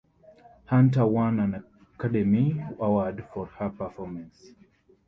Hunter won an Academy Award for her performance.